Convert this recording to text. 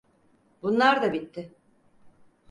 Bunlar da bitti…